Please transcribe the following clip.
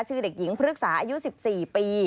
เด็กหญิงพฤกษาอายุ๑๔ปี